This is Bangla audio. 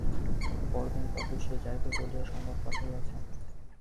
পরদিন প্রত্যুষে যাইবে বলিয়া সংবাদ পাঠাইয়াছে।